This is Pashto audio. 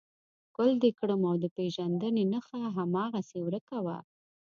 ښکل دې کړم او د پېژندنې نښه هماغسې ورکه وه.